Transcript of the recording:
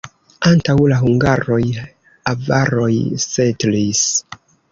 Antaŭ la hungaroj avaroj setlis.